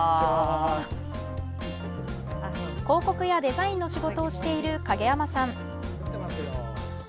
広告やデザインの仕事をしている影山さん。